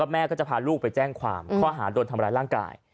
แม่ก็จะพาลูกไปแจ้งความข้อหาโดนทำร้ายร่างกาย